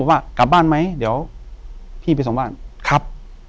อยู่ที่แม่ศรีวิรัยิลครับ